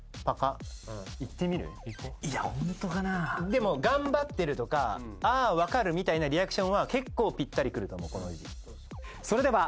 でも頑張ってるとかああ分かるみたいなリアクションは結構ぴったりくると思う。